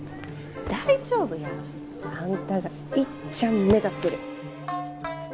大丈夫や。あんたがいっちゃん目立ってる。